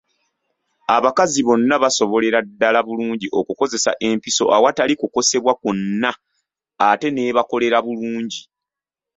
Abakazi bonna basobolera ddala bulungi okukozesa empiso awatali kukosebwa kwonna ate n’ebakolera bulungi.